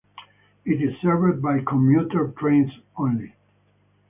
It is served by commuter trains only.